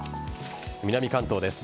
南関東です。